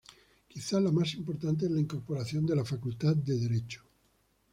Quizá la más importante es la incorporación de la Facultad de Derecho.